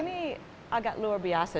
ini agak luar biasa